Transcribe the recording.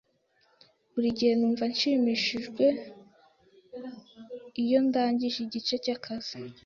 Buri gihe numva nshimishijwe iyo ndangije igice cyakazi.